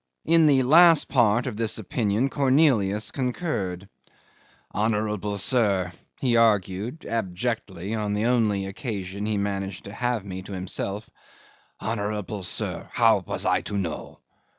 In the last part of this opinion Cornelius concurred. "Honourable sir," he argued abjectly on the only occasion he managed to have me to himself "honourable sir, how was I to know?